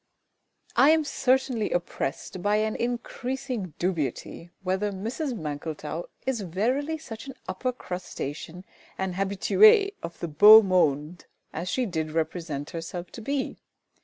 I am certainly oppressed by an increasing dubiety whether Mrs MANKLETOW is verily such an upper crustacean and habituée of the beau monde as she did represent herself to be.